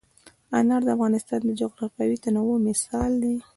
انار د افغانستان د جغرافیوي تنوع مثال دی.